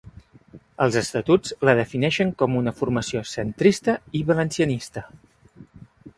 Els estatuts la defineixen com una formació centrista i valencianista.